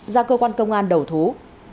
ra cơ quan công an đưa hải vào